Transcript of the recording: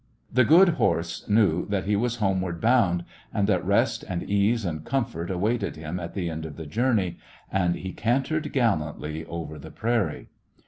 The good horse knew that he was homeward bound and that rest and ease and comfort awaited him at the end of the journey, and he can tered gallantly over the prairie.